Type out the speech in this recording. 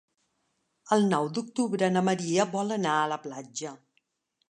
El nou d'octubre na Maria vol anar a la platja.